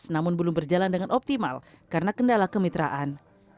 namun belum berjalan dengan optimal karena kendala kemitraan